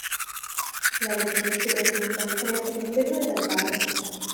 La regione fu raggiunta, nel Triassico Inferiore, dal mare.